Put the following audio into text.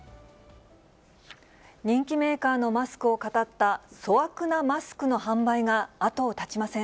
人気メーカーのマスクを語った、粗悪なマスクの販売が後を絶ちません。